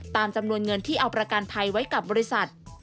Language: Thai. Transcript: ตามจำนวนเงินที่เอาประกันภัยไว้กับบริษัท